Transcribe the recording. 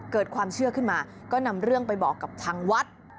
เกิดความเชื่อขึ้นมาก็นำเรื่องไปบอกกับทางวัด